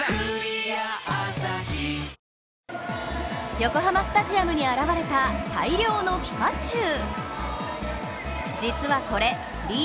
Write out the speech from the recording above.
横浜スタジアムに現れた大量のピカチュウ。